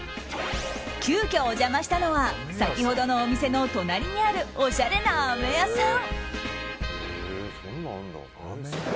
急きょお邪魔したのは先ほどのお店の隣にあるおしゃれなあめ屋さん。